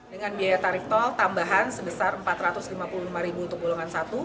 dengan biaya tarif tol tambahan sebesar rp empat ratus lima puluh lima untuk golongan satu